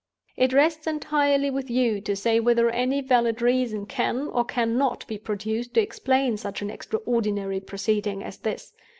"It rests entirely with you to say whether any valid reason can or cannot be produced to explain such an extraordinary proceeding as this.